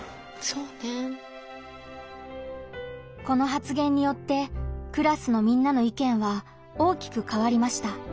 この発言によってクラスのみんなの意見は大きく変わりました。